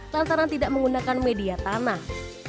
lantaran tidak menggunakan media tanah